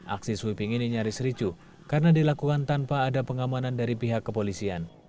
aksi sweeping ini nyaris ricu karena dilakukan tanpa ada pengamanan dari pihak kepolisian